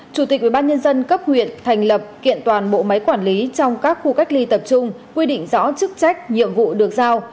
chủ tịch ubnd cấp huyện thành lập kiện toàn bộ máy quản lý trong các khu cách ly tập trung quy định rõ chức trách nhiệm vụ được giao